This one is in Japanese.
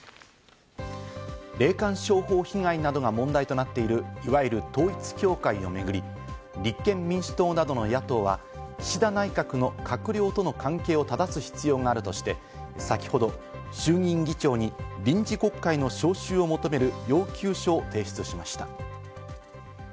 霊感商法被害などが問題となっている、いわゆる統一教会をめぐり立憲民主党などの野党は岸田内閣の閣僚との関係を正す必要があるとして、先ほど衆議院議長に臨時国会の召集を求める要求書を提出しました。